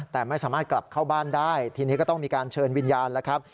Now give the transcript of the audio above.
แต่ไม่สามารถกลับเข้าบ้านได้ทีนี้ก็ต้องมีการเชิญวิญญาณแล้วครับ